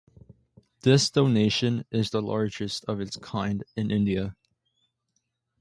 This donation is the largest of its kind in India.